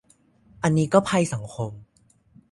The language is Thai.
อันนี้ก็ภัยสังคม